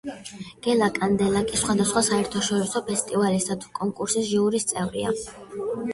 გელა კანდელაკი სხვადასხვა საერთაშორისო ფესტივალისა თუ კონკურსის ჟიურის წევრია.